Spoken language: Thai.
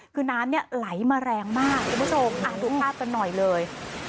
คือน้ำเนี่ยไหลมาแรงมากคุณผู้ชมดูภาพกันหน่อยเลย